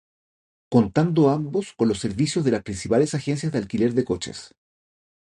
Contando ambos con los servicios de las principales agencias de alquiler de coches.